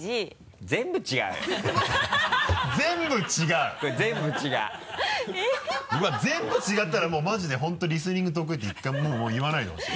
うわっ全部違ったらもうマジで本当リスニング得意って１回ももう言わないでほしい。